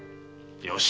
よし。